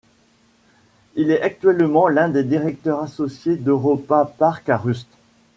Il est actuellement l'un des directeurs associés d'Europa-Park à Rust.